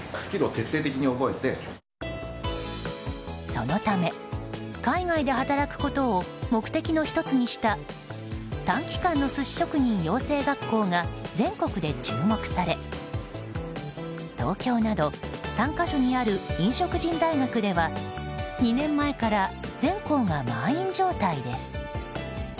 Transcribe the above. そのため、海外で働くことを目的の１つにした短期間の寿司職人養成学校が全国で注目され東京など３か所にある飲食人大学では２年前から全校が満員状態です。